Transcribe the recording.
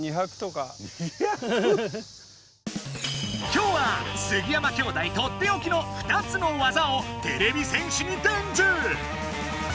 今日は杉山兄弟とっておきの２つの技をてれび戦士に伝授！